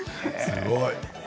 すごい。